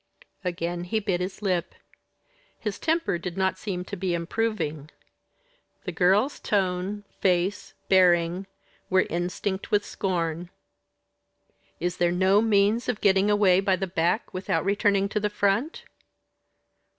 Again he bit his lip. His temper did not seem to be improving. The girl's tone, face, bearing, were instinct with scorn. "Is there no means of getting away by the back without returning to the front?"